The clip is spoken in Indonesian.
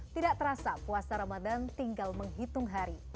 tidak terasa puasa ramadan tinggal menghitung hari